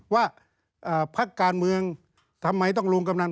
ว่าภักดิ์การเมืองทำไมต้องลงกำหนัง